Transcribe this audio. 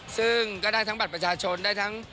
ซึ่งก็ได้ทั้งบัตรประชาชนได้ทั้ง